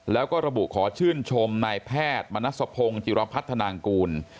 แล้วก็ระบุขอชื่นชมนายแพทย์มนัสพงศ์จิรพัฒนางกูล